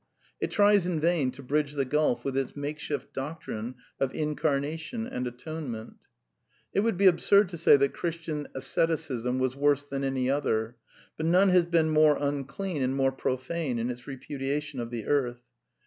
It tries in vain to bridge the gulf with its makeshifLdflCt rine of Incarnation and Atonement It would be absurd to say that Christian asceticism was worse than any other, but none has been more unclean and more profane in its repudiation of the earth.